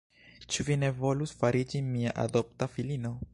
Ĉu vi ne volus fariĝi mia adopta filino?